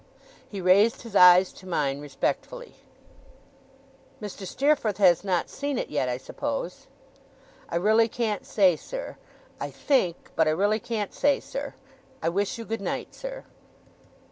He raised his eyes to mine respectfully. 'Mr. Steerforth has not seen it yet, I suppose?' 'I really can't say, sir. I think but I really can't say, sir. I wish you good night, sir.